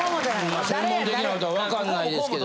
専門的な事はわかんないですけど。